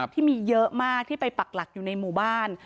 ที่มีเยอะมากที่ไปปักหลักอยู่ในหมู่บ้าน